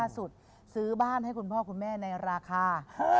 ซื้อบ้านให้คุณพ่อคุณแม่ในราคา